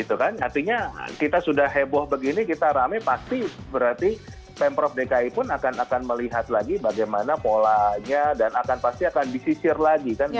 artinya kita sudah heboh begini kita rame pasti berarti pemprov dki pun akan melihat lagi bagaimana polanya dan akan pasti akan disisir lagi kan